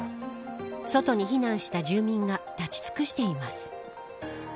外に避難した住民が立ち尽くしています。